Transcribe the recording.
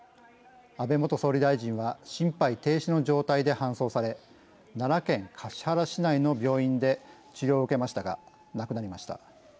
安倍元総理大臣は心肺停止の状態で搬送され奈良県橿原市内の病院で治療を受けましたが亡くなりました。